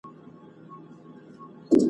زما د زانګو زما د مستۍ زما د نڅا کلی دی ,